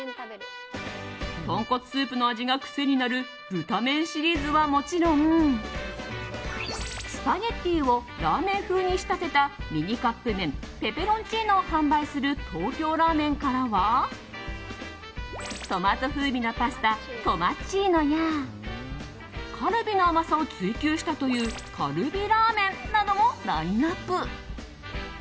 とんこつスープの味が癖になるブタメンシリーズはもちろんスパゲティをラーメン風に仕立てたミニカップ麺ペペロンチーノを販売する東京拉麺からはトマト風味のパスタトマッチーノやカルビの甘さを追求したというカルビラーメンなどもラインアップ。